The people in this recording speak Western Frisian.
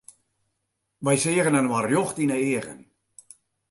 Wy seagen inoar rjocht yn 'e eagen.